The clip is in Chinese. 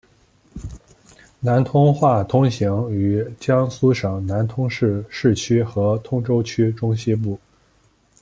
南通话通行于江苏省南通市市区和通州区中西部。